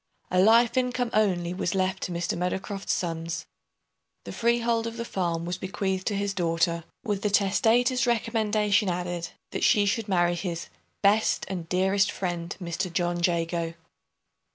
A life income only was left to Mr. Meadowcroft's sons. The freehold of the farm was bequeathed to his daughter, with the testator's recommendation added, that she should marry his "best and dearest friend, Mr. John Jago."